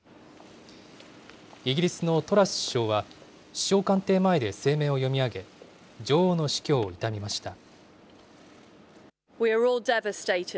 イギリスのトラス首相は、首相官邸前で声明を読み上げ、女王の死去を悼みました。